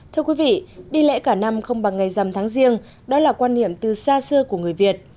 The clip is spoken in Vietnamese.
thưa quý vị đi lễ cả năm không bằng ngày dầm tháng riêng đó là quan niệm từ xa xưa của người việt